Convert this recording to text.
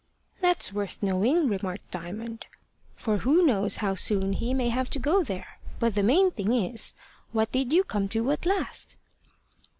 "That's worth knowing," remarked Diamond. "For who knows how soon he may have to go there? But the main thing is, what did you come to at last?"